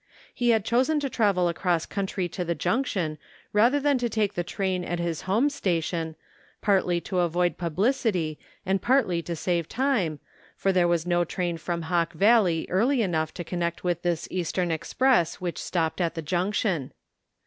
He had chosen to travel across country to the Junction rather than to take the train at his home station, partly to avoid publicity, and partly to save time, for there was no train from Hawk Valley early enough to connect with this Eastern Express which stopped at the Jimc tion.